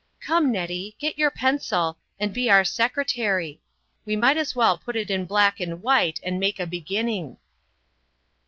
Come, Nettie, get your pencil, and be our secretary. We might as well put it in black and white, and make a beginning."